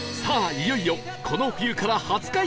いよいよこの冬から初開催